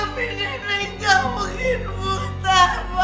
nenek gak mungkin buta